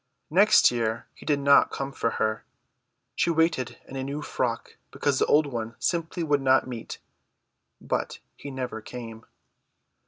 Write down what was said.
Next year he did not come for her. She waited in a new frock because the old one simply would not meet; but he never came.